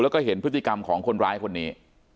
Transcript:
แล้วก็เห็นพฤติกรรมของคนร้ายคนนี้